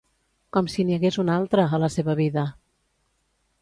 Com si n'hi hagués un altre, a la seva vida!